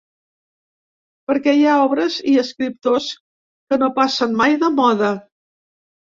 Perquè hi ha obres i escriptors que no passen mai de moda.